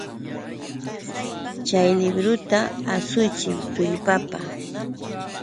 Chay libruta ashuchiy tullpapa!